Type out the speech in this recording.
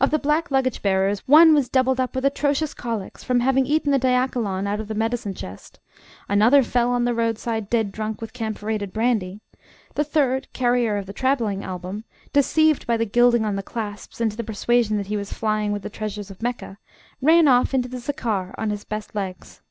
Of the black luggage bearers, one was doubled up with atrocious colics from having eaten the diachylon out of the medicine chest: another fell on the roadside dead drunk with camphorated brandy; the third, carrier of the travelling album, deceived by the gilding on the clasps into the persuasion that he was flying with the treasures of Mecca, ran off into the Zaccar on his best legs.